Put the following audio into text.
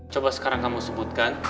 coba sekarang kamu sebutkan